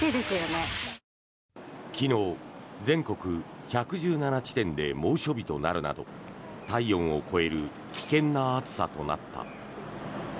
昨日、全国１１７地点で猛暑日となるなど体温を超える危険な暑さとなった。